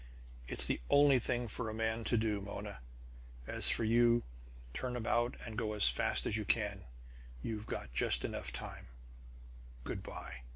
"It's the only thing for a man to do, Mona! As for you turn about and go as fast as you canl You've got just time enough. Good by!"